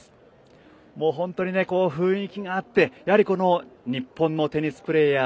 本当に雰囲気があって、やはり日本のテニスプレーヤー